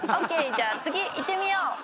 じゃあ次いってみよう！